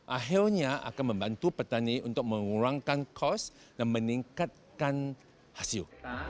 akhirnya akan membantu petani untuk mengurangkan cost dan meningkatkan hasil